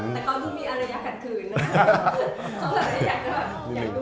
แต่เขาต้องมีอะไรอยากกัดขืนนะ